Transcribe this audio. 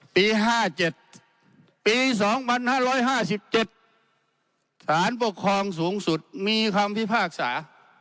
ปีห้าเจ็ดปีสองพันห้าร้อยห้าสิบเจ็ดสารปกครองสูงสุดมีคำพิพากษา